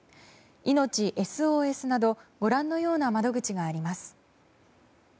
いのちＳＯＳなどご覧のような窓口があります。